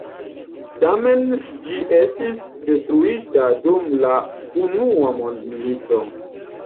Tamen ĝi estis detruita dum la Unua mondmilito.